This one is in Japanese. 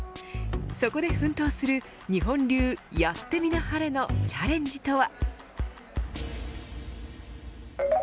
そこで奮闘する日本流やってみなはれのチャレンジとは。